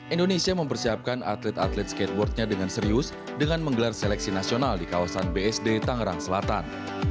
indonesia mempersiapkan atlet atlet skateboardnya dengan serius dengan menggelar seleksi nasional di kawasan bsd tangerang selatan